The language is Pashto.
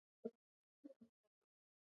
افغانستان د ښتې د پلوه ځانته ځانګړتیا لري.